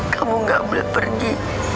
kamu gak boleh pergi